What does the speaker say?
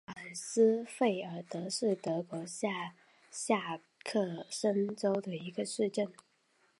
吕德尔斯费尔德是德国下萨克森州的一个市镇。